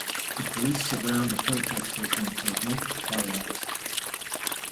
The police surround the protestors and provoke violence.